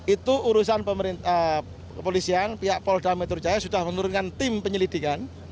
itu urusan polisi yang pihak pol dametur jaya sudah menurunkan tim penyelidikan